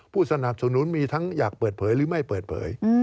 ผู้สนับสนุนมีทั้งอยากเปิดเผยหรือไม่เปิดเผย